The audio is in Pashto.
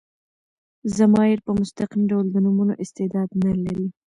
ضمایر په مستقیم ډول د نومونو استعداد نه لري.